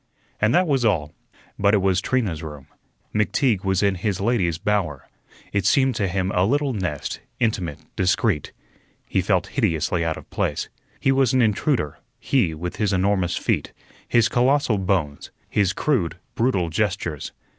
And that was all. But it was Trina's room. McTeague was in his lady's bower; it seemed to him a little nest, intimate, discreet. He felt hideously out of place. He was an intruder; he, with his enormous feet, his colossal bones, his crude, brutal gestures.